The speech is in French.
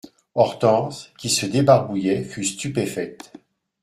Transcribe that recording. Hortense, qui se débarbouillait, fut stupéfaite.